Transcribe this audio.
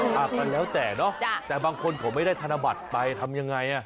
ก็แล้วแต่เนาะแต่บางคนเขาไม่ได้ธนบัตรไปทำยังไง